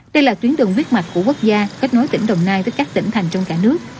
đây là tuyến đường huyết mạch của quốc gia kết nối tỉnh đồng nai với các tỉnh thành trong cả nước